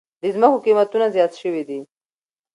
د زمکو قيمتونه زیات شوي دي